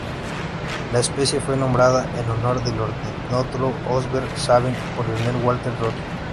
La especie fue nombrada en honor del ornitólogo Osbert Salvin por Lionel Walter Rothschild.